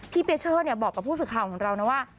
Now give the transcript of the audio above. พี่เปเชิร์ดบอกกับผู้ศึกข่าวของเราว่า